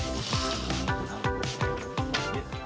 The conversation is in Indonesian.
tidak ada perubahan